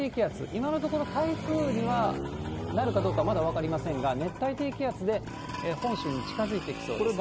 今のところ、台風になるかどうかはまだ分かりませんが、熱帯低気圧で本州に近づいてきそうです。